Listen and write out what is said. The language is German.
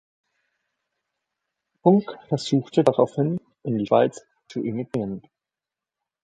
Bunk versuchte daraufhin, in die Schweiz zu emigrieren.